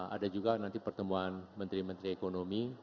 ada juga nanti pertemuan menteri menteri ekonomi